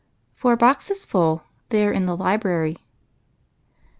" Four boxes full. They are in the library."